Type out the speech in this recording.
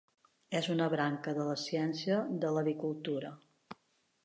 És una branca de la ciència de l'avicultura.